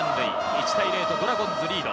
１対０とドラゴンズリード。